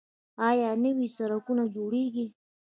آیا نوي سرکونه جوړیږي؟